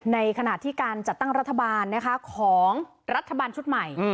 ในขณะที่การจัดตั้งรัฐบาลของรัฐบาลชุดใหม่